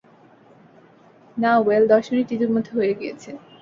না -ওয়েল, দশ মিনিট ইতোমধ্যে হয়ে গিয়েছে।